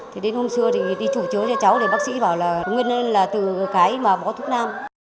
thế đến hôm xưa thì đi thủ chứa cho cháu bác sĩ bảo là bó thuốc nam